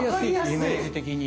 イメージ的に。